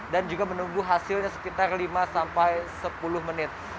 dan juga menunggu hasilnya sekitar lima sampai sepuluh menit